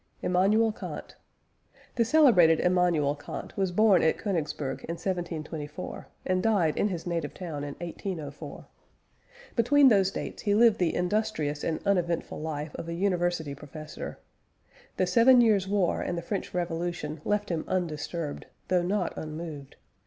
IMMANUEL KANT. The celebrated Immanuel Kant was born at Königsberg in 1724, and died in his native town in 1804. Between those dates he lived the industrious and uneventful life of a university professor. The Seven Years' War and the French Revolution left him undisturbed, though not unmoved.